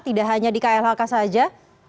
tidak hanya di klhk saja